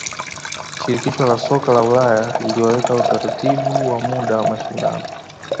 shirikisho la soka la ulaya liliaweka utaratibu wa muda wa mashindano